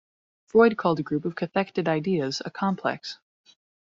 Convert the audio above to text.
Freud called a group of cathected ideas a complex.